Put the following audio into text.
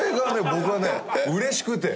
僕はね嬉しくて。